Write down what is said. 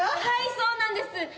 はいそうなんです。